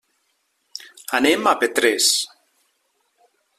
Anem a Petrés.